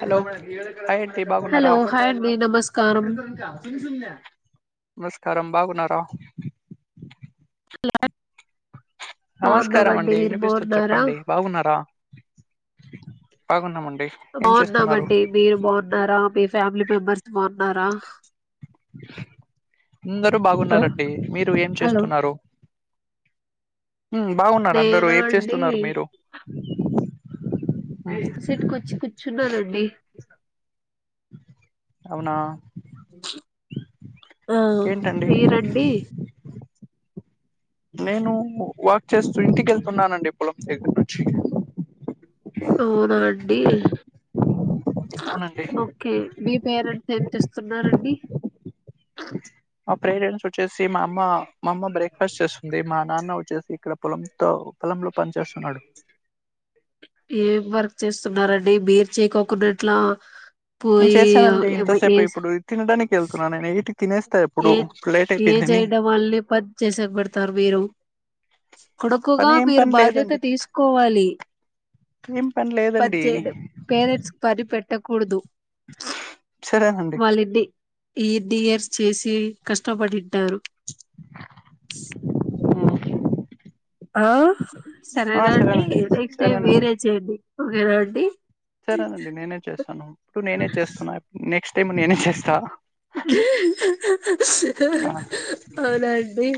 Hello hi అండి బాగున్నారా hello హండడి నమస్కారం నమస్కారం బాగున్నారా లా్యా నమస్కారం అండి వినిపిస్తుంది చెప్పండి బాగున్నారా బాగున్నామండి ఏం చేస్తున్నారు బాగున్నామండి మీరు బాగున్నారా మీ ఫ్యామిలీ మెంబర్స్ బాగున్నారా అందరు ఆ, బాగున్నారండి మీరు ఏం హలో చేస్తున్నారు బాగున్నారు అందరు నేనా ఏం అండి చేస్తున్నారు మీరు ఉమ్ సిట్ కూచ కూర్చున్నానండి అవునా ఆ ఏంటండి మీర్ అండి నేను వాక్ చేస్తూ ఇంటికి వెళ్తున్నానండి పొలం దగ్గర నుంచి అవునా అండి అవునండి ఓకే మీ పేరెంట్స్ ఏం చేస్తున్నారండి పేరెంట్స్ వచ్చేసి మా అమ్మ మా అమ్మ బ్రేక్ఫాస్ట్ చేస్తుంది మా నాన్న వచ్చేసి ఇక్కడ పొలంతో పొలంలో పని చేస్తున్నాడు ఏం వర్క్ చేస్తున్నారండి మీరు చేయకోకుండాట్లా నేను చేశానండి ఇంతసేపు ఇప్పుడు తినడానికి వెళ్తున్నాను నేను తినేస్తా ఏ ఇప్పుడు ఇప్పుడు లేట్ ఏజ్ అయిపోయిందని చేయడం వాళ్ళని పని చేస పెడతారు మీరు కొడుకుగా పని ఏం మీరు పని బాధ్యత లేదండి తీసుకోవాలి ఏం పని లేదండి [unintelligible] పేరెంట్స్ కి పని పెట్టకూద్దు సరేనండి వాళ్ళిది [unintelligible] యర్స్ చేసి కష్టపడిట్టారు ఉమ్. ఆ ఆ సరేనా అండి సరేనండి నెక్స్ట్ టైమ్ సరేనండి వేరే చేయండి ఓకేనా అండి సరేనండి నేనే చేస్తాను ఇప్పుడు నేనే చేస్తున్నా నెక్స్ట్ టైం నేనే చేస్తా ఆ అవునా అండి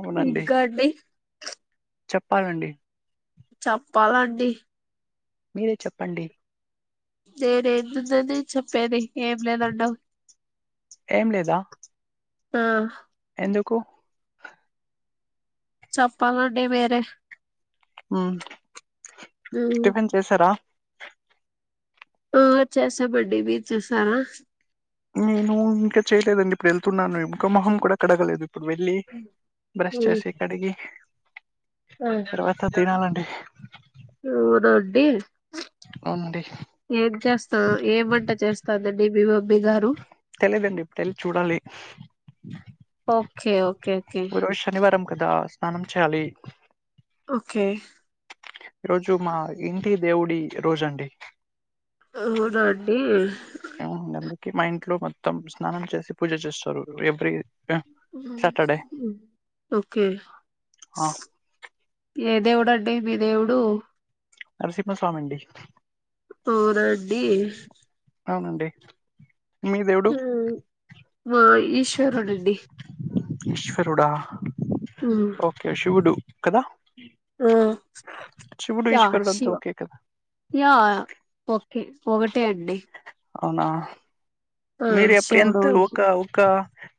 అవునండి [unintelligible] చెప్పాలండి చెప్పాలండి మీరే చెప్పండి తేరేతుతది చెప్పేది ఎమ్ లేదండమ్ ఏమ్ లేదా ఆ ఎందుకు చెప్పాలండి మీరే ఉమ్ మ్మ్ టిఫిన్ చేసారా ఆ చేయమండి మీర్ చేసారా నేను ఇంకా చేయలేదండి ఇప్పుడు ఎళ్తున్నాను ఇంకా మొహం కూడా కడగలేదు ఇప్పుడు వెళ్ళి బ్రెష్ చేశి కడిగి ఉమ్ తర్వాత తినాలండి ఊరోటి అవునండి ఏం చేస్తవ్ ఏవంట చేస్తదండి మీ మమ్మి గారు తెలేదండి ఇప్పుడెల్ చూడాలి ఓకే ఓకే ఓకే ఓరోష్ శనివారం కదా స్నానం చాలి ఓకే ఈ రోజు మా ఇంటి దేవుడి రోజండి ఔనాండి ఉన్ కే మా ఇంట్లో మొత్తం స్నానం చేసి పూజ చేస్తారు ఎవ్రీ సాటర్డే ఓకే ఆ ఏ దేవుడండి మీ దేవుడు నరసిమ్మ స్వామండి అవునా అండి ఔనండి ఉమ్ మా ఈశ్వరుడండి ఈశ్వరుడా ఉమ్, ఓకే శివుడు కదా ఉమ్ ఆ శివుడు యా ఈశ్వరుడు అంతా శివ ఓకే కదా యా ఓకే ఒగటే అండి ఔనా ఆ మీరు ఎడ్పు ఎంత శివుడు ఈశ్వ- ఒక ఒక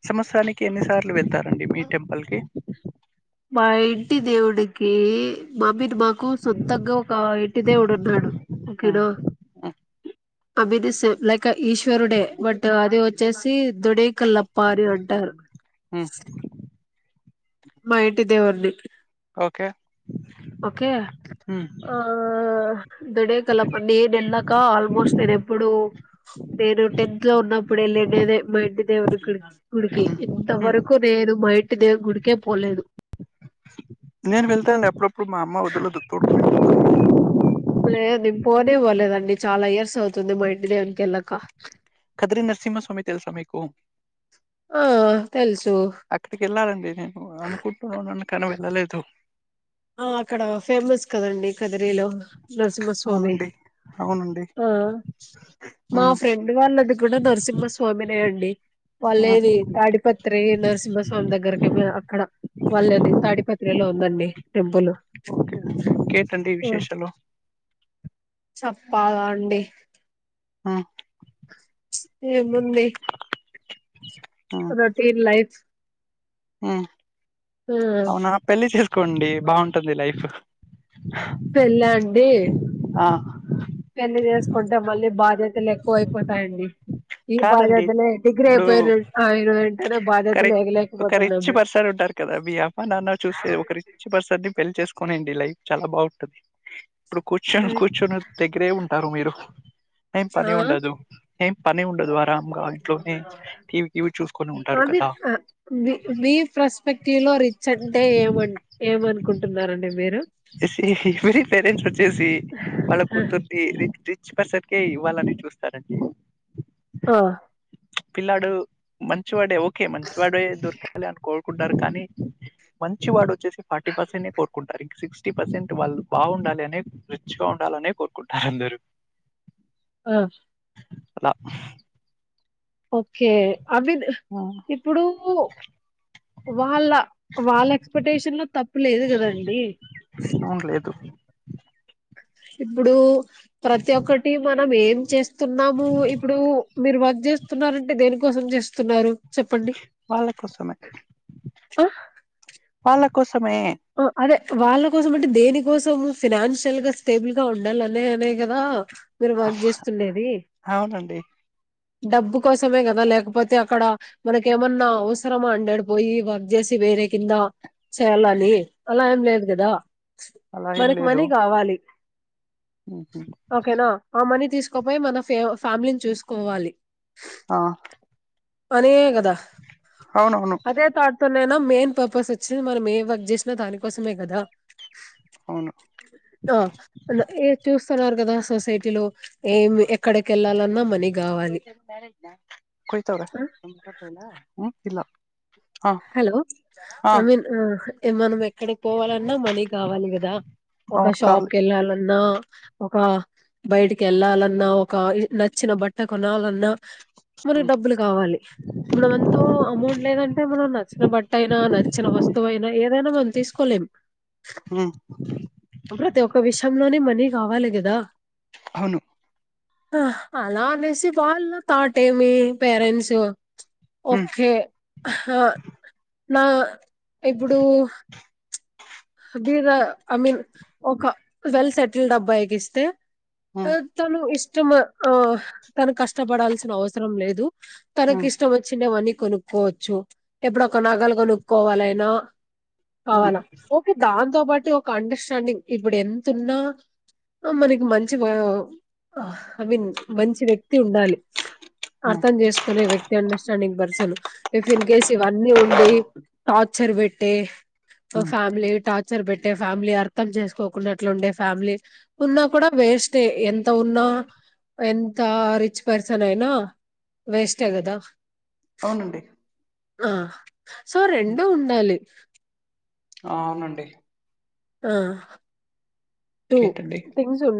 సమాత్సనికి ఎన్నిసార్లు వెళ్తారండి మీ టెంపుల్ కి మా ఇంటి దేవుడికి మామీత్ మాకు సొంతంగా ఒక ఇంటి దేవుడు ఉన్నాడు ఉమ్ ఓకేనా ఉమ్ అమీదీ సేమ్ లైక్ ఈశ్వరుడే బటూ అది వచ్చేసి దుడేక్ కల్లాపారి అంటర్ ఉమ్ మాఇంటి దేవున్ని ఓకే ఓకే ఉమ్ ఆ ఆ దోడేకలప్ నేన్ ఎళ్ళక ఆల్మోస్ట్ నేన్ ఎప్పుడు నేను టెన్త్ లో ఉన్నప్పుడు ఎల్ లెన్నెదేం మా ఇంటి దేవుణ్ణి గుడ్ కీ గుడికి ఉమ్ ఉమ్ ఇంతవరకు నేను మా ఇంటి దే గుడికే పోలేదు నేన్ వెల్తాండి అప్పుఅప్పుడు మామ్మ వదలదు తోడుకొనే లేద్ నే పోనే పోలేదండి చాలా ఇయర్స్ అవుతుంది మా ఇంటి దేవున్నికెళ్ళక కదిరిన్ నసిమ్మ స్వామి తెల్స మీకు ఆ తెలుసు అక్కడికి ఎళ్ళాలండి నేను అనుకుంటునే ఉన్నాను కానీ వెం ఎల్లా లేదు ఆ అక్కడ ఫేమస్ కదండి కదిరీలో నరసిమ్మస్వామి అవునండి. అవునండి. ఆ మా హ్మ్. ఫ్రెండ్ వాళ్ళది కూడా నరసిమ్మస్వామినే అండి హ్మ్. వాళ్ళేది తాడిపత్రి నరసింహస్వామి దగ్గరకే అక్కడ వాళ్ళది తాడిపత్రిలో ఉందండి టెపులు ఓకే. ఇంకేంటండి విశేషాలు? చెప్పాలా అండి ఆహ్ ఏముంది రొటీన్ లైఫ్ ఉమ్ ఆ అవునా పెళ్లి చేసుకోండి బాగుంటుంది లైఫ్ పెళ్ళా అండి ఆ! పెళ్లి జెస్ కుంటే మళ్ళీ బాధ్యతలు ఎక్కువ అయిపోతాయండి ఈ కాదండి బాధ్యతలే డిగ్రీ ఇప్పుడు అయిపోయిరు ఆయన ఏంటనే ఒక రి బాధ్యతలు ఒక రిచ్ వగలేకపోతున్నాము పర్సన్ ఉంటారు కదా మీ అమా నాన్న చూసే ఒక రిచ్ పర్సన్ నీ పెళ్ళ చేసుకోనిండి లైఫ్ చాలా బాగుంటుది ఇప్పుడు కూర్చొని కూర్చొని ఒక దగ్గరే ఉ ఉంటరు మీరు ఏం పని ఆ ఉండదు ఏం పని ఉన్ ద్వారం గా ఇంట్లోనే టీవీ టీవి చూసుకొని ఉంటారు అది కదా ఆ మీ మీ [inaudible] రిచ్ అంటే ఏం ఏమనుకుంటున్నారండి మీరు మీరీ పేరెంట్స్ వచ్చేసి వాళ్ళ కూర్తునీ రిచ్ రిచ్ పర్సన్ కే ఇవాళని చూస్తారండి ఆ పిల్లాడు మంచివాడే ఓకే మంచివాడే దొరకాలి అని కోరుకుంటారు కానీ మంచి వాడు వచ్చేసి ఫార్టీ పర్సన్ నే కోరుకుంటారు ఇక సిక్స్ ఫిఫ్టీ పర్సెంట్ వాళ్ళు బాగుండాలి అనే రిచ్ గా ఉండాలనే కోరుకుంటారు అందరూ ఆహ్ అల ఓకే అవి ఇప్పుడూ వాళ్ళ వాళ్ళ ఎక్స్పెక్టేషన్ లో తప్పు లేదు కదాండి అవును లేదు ఇప్పుడు ప్రతి ఒక్కటి మనం ఏం చేస్తున్నాము ఇప్పుడు మీరు వర్క్ చేస్తున్నారంటే దేనికోసం చేస్తున్నారు చెప్పండి వాళ్ళ కోసమే ఆ వాళ్ళ కోసమే ఆ అదే వాళ్ళ కోసం అంటే దేని కోసం ఫినాన్షియల్ గా స్టేబుల్ గా ఉండాలనే అనే కదా మీరు వర్క్ చేస్తుండెది అవునండి డబ్బు కోసమే గదా లేకపోతే అక్కడ మనక ఏమన్నా అవసరమా అండి ఆడపోయి వర్క్ చేసి బేర కింద చేళ అలి అలా ఏం లేదు గదా అలా ఏం మనకి లేదు మనీ కావాలి ఓకేనా ఆ మనీ తీసుకోపోయి మన ఫ్యా ఫ్యామిలీని చూసుకోవాలి ఆ అనే కదా అవునవును అదే థాట్ తోనైనా మెయిన్ పర్పస్ వచ్చింది మనం ఏ వర్క్ జస్ట్ దానికోసమే కదా అవును చూ చూస్తున్నారు గదా సొసైటీలో ఏం ఎక్కడికి వెళ్ళాలన్నా మనీ కావాలి కొడతారా ఇలా హలో ఇక్కడికి పోవాలన్నా మనీ కావాలి కదా ఒక షాప్ కి వెళ్ళాలన్నా ఒక బయటికి ఏళ్ళాలన్నా ఒక నచ్చిన బట్ట కొనాలన్నా మనకి డబ్బులు కావాలి మనం ఎంతో అమౌంట్ లేదంటే మనం నచ్చిన బట్ట అయినా నచ్చిన వస్తువైనా ఏదైనా మనం తీసుకోలేం హ్మ్ ప్రతి ఒక్క విషయంలోనే మనీ కావాలి కదా అవును అలా అనేసి వాళ్ళు తాటేమి పేరెంట్స్ హ్మ్ ఓకే హ నా ఇప్పుడు మీర ఐ మీన్ ఒక వెల్ సెటిల్డ్ అబ్బాయికి ఇస్తే హ్మ్ ఆ తను ఇష్టం ఆ తన కష్టపడాల్సిన అవసరం లేదు తనకి హ్మ్ ఇష్టం వచ్చిండే వాన్ని కొనుక్కోవచ్చు ఎప్పుడోక నగలు కొనుక్కోవాలైనా హ్మ్ కావాలా దాంతో పాటు ఒక అండర్స్టాండింగ్ ఇప్పుడు ఎంతున్నా ఆ మనకి మంచి ఐ మీన్ మంచి వ్యక్తి ఉండాలి హ్మ్ అర్థం చేసుకునే వ్యక్తి understanding person if in case ఇవన్నీ ఉండి టార్చర్ పెట్టి ఒక హ్మ్ ఫ్యామిలీ టార్చర్ పెట్టి అంటే ఫ్యామిలీ అర్థం చేసుకోకున్నట్లు ఉండే ఫ్యామిలీ ఉన్నా కూడా వేస్ట్ ఏ ఎంత ఉన్నా ఎంత రిచ్ పర్సన్ అయినా వేస్టే కదా అవునండి ఆ సో రెండు ఉండాలి ఆ అవునండి ఆ టూ ఇంకేంటండి తింగ్స్ ఉ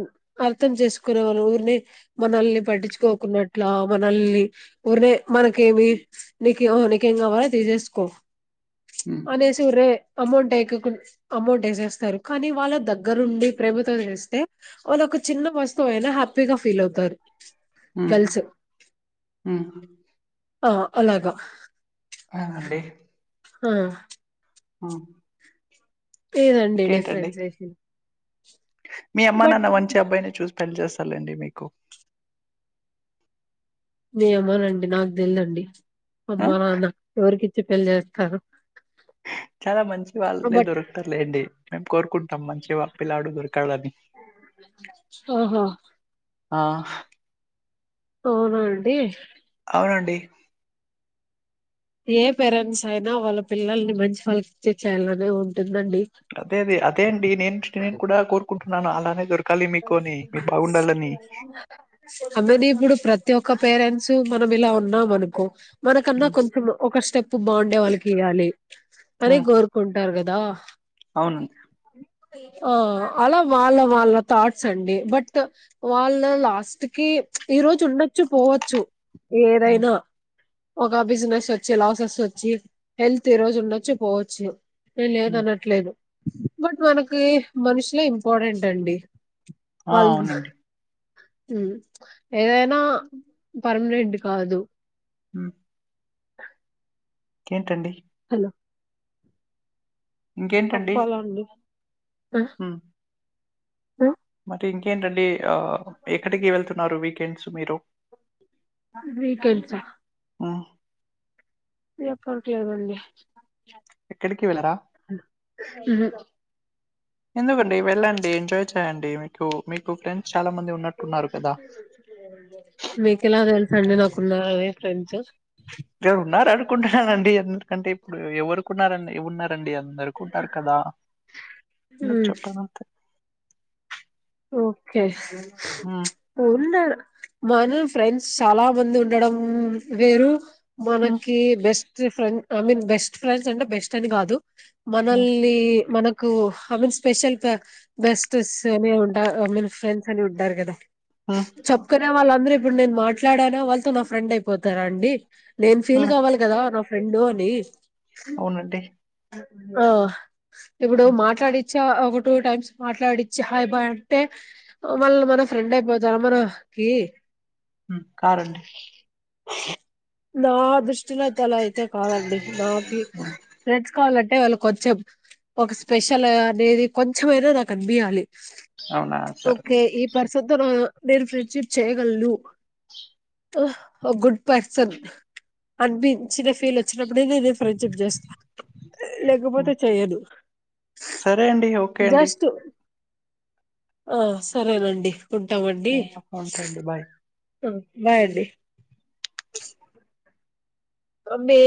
అర్థం చేసుకునే వాళ్ళనే ఊరిని మనల్ని పట్టించుకోకున్నట్లా మనల్ని ఊరినే మనకేమి నిక నికేం కావాల తీసేసుకో హ్మ్ అనేసిరే అమౌంట్ వెకకు అమౌంట్ వేసేస్తారు కానీ వాళ్ళ దగ్గరుండి ప్రభుత్వం చేస్తే వాళ్ళు ఒక చిన్న వస్తువు అయినా హ్యాపీగా ఫీల్ అవుతారు. ఆ గర్ల్స్ ఆ ఆ అలాగా అనండి ఆ హ లేదండి డిఫరెన్స్ వేసి మీ అమ్మ నాన్న మంచి అబ్బాయిని చూసి పెళ్ చేస్ లేండి మీకు ఏమోనండి నాకు తెల్లదండి ఆ అమ్మ నాన్న ఎవరికి ఇచ్చి పెళ్లి చేస్తారు చాలా మంచి వాళ్ళే బట్ దొరుకుతారులేండి మేము కోరుకుంటాం మంచి పిల్లాడు దొరకాలని ఆహా ఆ అవునా అండి అవునండి ఏ పేరెంట్స్ అయినా వాళ్ళ పిల్లల్ని మంచి వాళ్ళకి ఇచ్చి చేేయాలనే ఉంటుం అదే అదే అదే అండి నేను నేను కూడా కోరుకుంటున్నాను అలానే దొరుకు అమ్మెది ఇప్పుడు ప్రతి ఒక్క పేరెంట్స్ మనం ఇలా ఉన్నాం అనుకో మనకన్నా హ్మ్ కొంచెం ఒక స్టెప్ బాగుండే వాళ్ళకి ఇయాలి అని హ్మ్ కోరుకుంటారు కదా అవునండి ఆ అలా వాళ్ళ వాల్ థాట్స్ అండి బట్ వాళ్ళు లాస్ట్ కి ఈరోజు ఉండొచ్చు పోవచ్చు హ్మ్ ఏదైనా ఒక బిజినెస్ వచ్చి లాసెస్ వచ్చి హెల్త్ ఈ రోజు ఉండొచ్చు పోవచ్చు లేదు హ్మ్ అనట్లేదు బట్ మనకి మనుషులే ఇంపార్టెంట్ అండి ఆ అవునండి మ్ ఏదైనా పర్మనెంట్ కాదు హ కెంటండి హలో ఇంకేంటండి? అప్పాలండి అంటే ఇంకేంటండి ఆ ఎక్కడికి వెళ్తున్నారు వీకెండ్స్ మీరు వీకెండ్స్ వా్ ఎప్ప క అండి ఎక్కడికి వెళ్ళరా? అ ఎందుకండి వెళ్ళండి ఎంజాయ్ చేయయండి మీకు మీకు ఫ్రెండ్స్ చాలా మంది ఉన్నట్టున్నారు కదా! మీకు ఎలా తెలుసండి నాకున్న ఫ్రెండ్స్ ఎరు ఉన్నారుార అనుకుంటున్నానండి ఎందుకంటే ఇప్పుడు ఎవరికున్నారని ఉన్నారు ండి అందరుకుంటారు కదా అందుకు ఉమ్, చెప్పనుంతే ఓకే హ్మ్. ఉన్న మన ఫ్రెండ్స్ చాలా మంది ఉండడం వేరు హ్మ్. మనకి బెస్ట్ [unintelligible] మీన్ బెస్ట్ ఫ్రెండ్స్ అంటే బెస్ట్ అని కాదు హ్మ్. మనల్ని మన కు ఐ మీన్ స్పెషల్ బెస్ట్ అని ఉ ఐ మీన్ ఫ్రెండ్స్ అని ఉంటారు కదా హ్మ్. చెప్పుకనే వాళ్ళందరూ ఇప్పుడు నేను మాట్లాడాన వాళ్ళతో నా ఫ్రెండ్ అయిపోతారా అండి నేన్ ఫీల్ హ్మ్. కావాలి కదా నా ఫ్రెండు అని అవునండి ఆ ఇప్పుడు హ్మ్. మాట్లాడి చా అబూ టూ టైమ్స్ మాట్లాడిచ్చి హా్ బాయ్ అంటే మళ్ళ మన ఫ్రెండ్ అయిపోతారుా మన కి కారండి నా దృష్టిలో అయితే అలా అయితే కాదండి నాకి ఫ్రెండ్స్ కావాలంటే వాళ్ళు కొంచెం ఒక స్పెషల్ అనేది కొంచెంమైనా నాకు అనిపియాలి అవునా సరే [unintelligible] అ అ గుడ్ పర్సన్ అనిపించిన ఫీల్ వచ్చినప్పుడే నేనే ఫ్రెండ్షిప్ చేస్తాను లేకపోతే హ్మ్. చెయదు సరే అండి. ఓకే అండి. జస్ట్ ఆ సరేనండి ఉంటామండి హ్మ్. ఉంటా అండి. బాయ్. బయడి అే